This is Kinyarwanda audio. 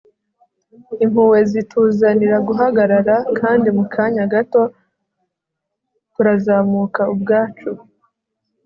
impuhwe zituzanira guhagarara, kandi mu kanya gato turazamuka ubwacu